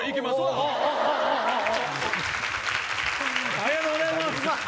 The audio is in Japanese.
ありがとうございます。